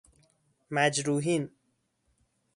مجروحین